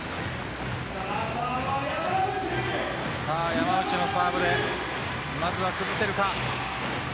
山内のサーブでまずは崩せるか。